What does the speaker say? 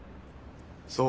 そう。